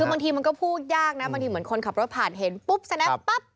คือบางทีมันก็พูดยากนะบางทีเหมือนคนขับรถผ่านเห็นปุ๊บแสดงปั๊บ